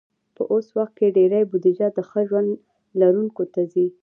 په اوس وخت کې ډېری بودیجه د ښه ژوند لرونکو ته ځي.